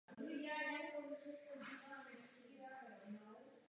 S těmito formami hospodářské soutěže je třeba skoncovat.